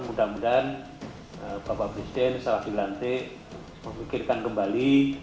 mudah mudahan bapak presiden setelah dilantik memikirkan kembali